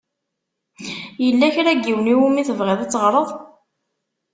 Yella kra n yiwen i wumi tebɣiḍ ad teɣṛeḍ?